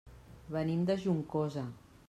Venim de Juncosa.